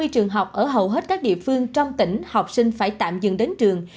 hai mươi trường học ở hầu hết các địa phương trong tỉnh học sinh phải tạm dừng đến trường